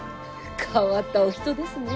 変わったお人ですね。